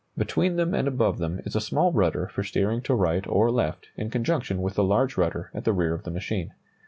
Between them and above them is a small rudder for steering to right or left in conjunction with the large rudder at the rear of the machine.